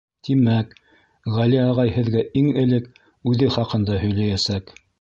— Тимәк, Ғәли ағай һеҙгә иң элек үҙе хаҡында һөйләйәсәк.